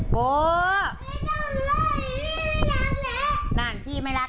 พี่เขาเปียกหมดแล้วนะ